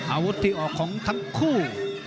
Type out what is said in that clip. อาวุธที่ออกของทั้งคู่